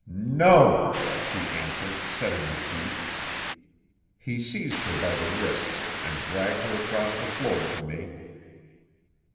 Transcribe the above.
"No!" she answered, setting her teeth. He seized her by the wrists and dragged her across the floor to me.